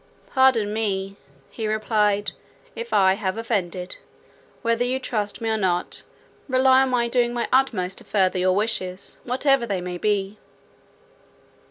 "Pardon me," he replied, "if I have offended. Whether you trust me or not, rely on my doing my utmost to further your wishes, whatever they may be."